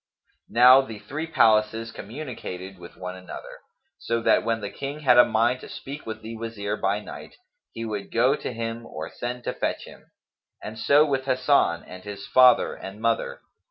Now the three palaces communicated with one another, so that when the King had a mind to speak with the Wazir by night, he would go to him or send to fetch him; and so with Hasan and his father and mother.